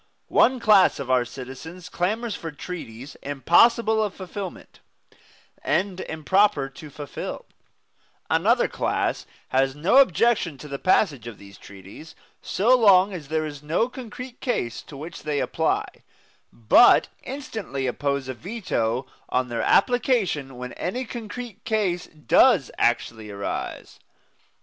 One class of our citizens clamors for treaties impossible of fulfilment, and improper to fulfil; another class has no objection to the passage of these treaties so long as there is no concrete case to which they apply, but instantly oppose a veto on their application when any concrete case does actually arise.